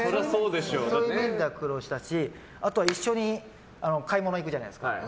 そういう意味では苦労したしあとは一緒に買い物行くじゃないですか。